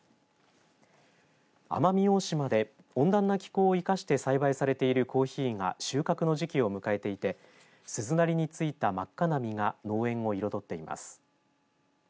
奄美大島で温暖な気候を生かして栽培されているコーヒーが収穫の時期を迎えていて鈴なりについた真っ赤な実が農園を彩っています。